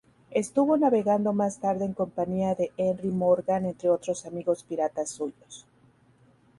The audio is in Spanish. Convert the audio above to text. Estuvo navegando más tarde en compañía de Henry Morgan entre otros amigos piratas suyos.